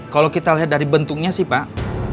kalau kita lihat dari bentuknya sih pak